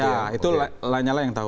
ya itu lanyala yang tahu